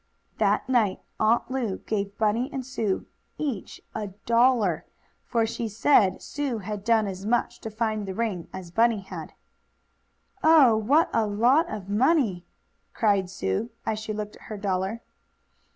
That night Aunt Lu gave Bunny and Sue each a dollar, for she said Sue had done as much to find the ring as Bunny had. "Oh, what a lot of money!" cried Sue, as she looked at her dollar.